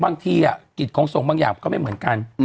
บางทีอะกิจโครงสงส่งบางอย่างไม่เหมือนกัน